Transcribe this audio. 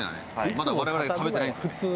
まだ我々食べてないんですよね。